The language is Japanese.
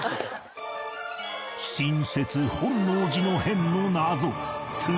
新説本能寺の変の謎続いては